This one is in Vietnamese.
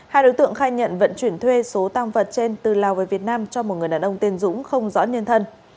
hai đối tượng khai nhận vận chuyển thuê số tăng vật trên từ lào về việt nam cho một người đàn ông tiên dũng không rõ nhân thân